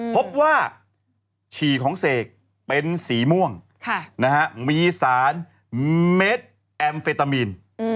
พบว่าฉี่ของเสกเป็นสีม่วงมีสารเม็ดแอมเฟตามีน